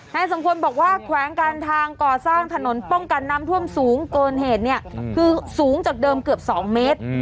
สองคนบอกว่าแขวงการทางก่อสร้างถนนป้องกันน้ำท่วมสูงเกินเหตุเนี่ยคือสูงจากเดิมเกือบ๒เมตร